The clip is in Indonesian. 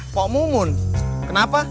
pok mumun kenapa